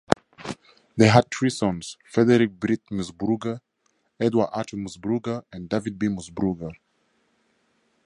They had three sons, Frederick Britt Moosbrugger, Edward Arthur Moosbrugger and David B. Moosbrugger.